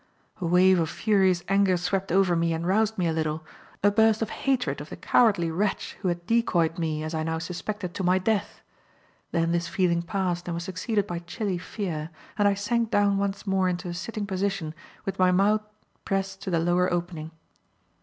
A wave of furious anger swept over me and roused me a little; a burst of hatred of the cowardly wretch who had decoyed me, as I now suspected, to my death. Then this feeling passed and was succeeded by chilly fear, and I sank down once more into a sitting position with my mouth pressed to the lower opening.